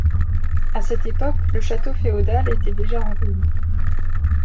À cette époque le château féodal était déjà en ruines.